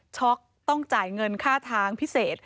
ต้องจ่ายเงินค่าทางพิเศษ